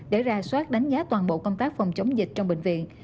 để ra soát đánh giá toàn bộ công tác phòng chống dịch trong bệnh viện